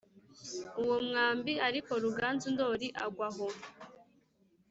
uwo mwambi, ariko ruganzu ndori agwa aho.